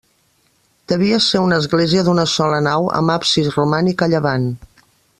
Devia ser una església d'una sola nau, amb absis romànic a llevant.